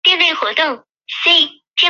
一般分为二十四章。